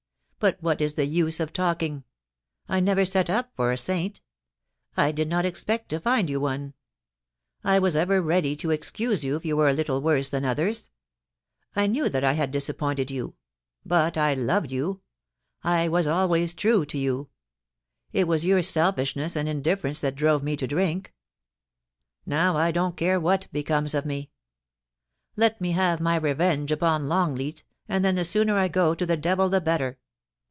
But what is the use of talking ? I never set up for a saint ; I did not expect to find you one ; I was ever ready to excuse yon if you were a little worse than others. I knew that I had disappointed you. But I loved you :. I was always true to you. It was your selfishness and indifference that drove me to drink. ... Now I don't care what becomes of me: Let me have my revenge upon Longleat, and then the sooner I go to the devil the better.'